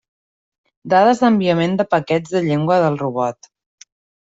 Dades d'enviament de paquets de llengua del robot.